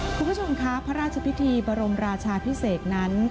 คุณผู้ชมครับพระราชพิธีบรมราชาพิเศษนั้น